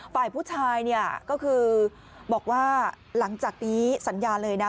ฝ่ายผู้ชายเนี่ยก็คือบอกว่าหลังจากนี้สัญญาเลยนะ